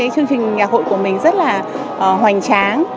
chương trình nhạc hội của mình rất là hoành tráng